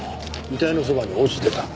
遺体のそばに落ちてた。